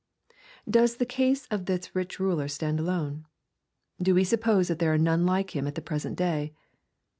Does the case of this rich ruler stand alone ? Do we suppose there are none like him at the present day